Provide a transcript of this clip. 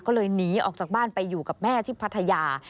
ก็เลยหนีออกจากบ้านไปอยู่กับแม่ที่พัทยา